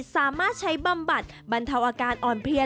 สามารถใช้บำบัดบรรเทาอาการอ่อนเพลีย